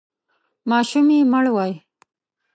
ماشوم یې مړوئ!